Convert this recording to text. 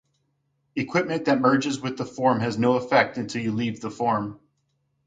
Equipment that merges with the form has no effect until you leave the form.